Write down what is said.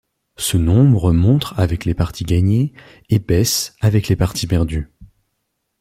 Ce nombre monte avec les parties gagnées, et baisse avec les parties perdues.